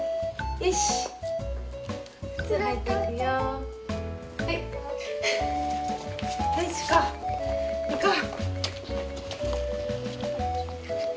よしいこう。